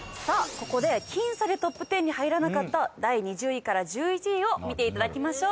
ここで僅差でトップテンに入らなかった第２０位から１１位を見ていただきましょう。